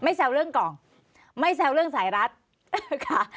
แซวเรื่องกล่องไม่แซวเรื่องสายรัฐค่ะ